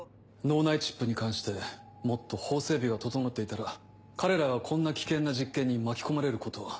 脳内チップに関してもっと法整備が整っていたら彼らはこんな危険な実験に巻き込まれることは。